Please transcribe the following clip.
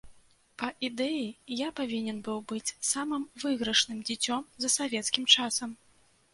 Па ідэі я павінен быў быць самым выйгрышным дзіцем за савецкім часам.